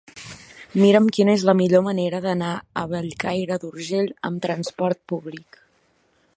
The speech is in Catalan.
Mira'm quina és la millor manera d'anar a Bellcaire d'Urgell amb trasport públic.